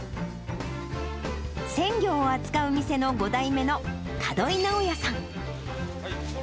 鮮魚を扱う店の５代目の門井直也さん。